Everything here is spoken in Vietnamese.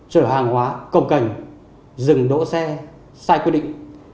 trở hàng hóa công cảnh dừng đỗ xe sai quy định